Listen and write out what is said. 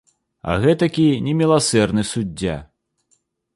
А гэтакі неміласэрны суддзя.